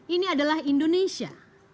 ini adalah indonesia